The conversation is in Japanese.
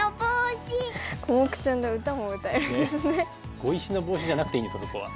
「碁石のボウシ」じゃなくていいんですかそこは。